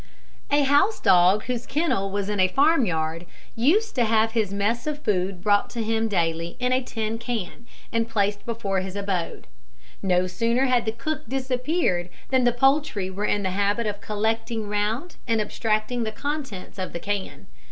A House Dog, whose kennel was in a farmyard, used to have his mess of food brought to him daily in a tin can, and placed before his abode. No sooner had the cook disappeared, than the poultry were in the habit of collecting round and abstracting the contents of the can.